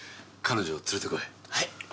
彼女を連れてこい！